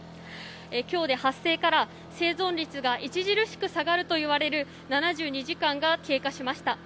今日で、発生から生存率が著しく下がると言われる７２時間が経過しました。